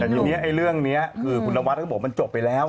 แต่ทีนี้เรื่องนี้คือคุณนวัดก็บอกมันจบไปแล้ว